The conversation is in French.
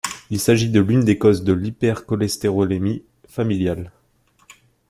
Il s'agit de l'une des causes de l'hypercholestérolémie familiale.